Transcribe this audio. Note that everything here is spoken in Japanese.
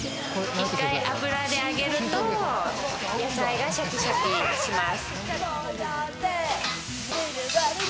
１回、油で揚げると野菜がシャキシャキします。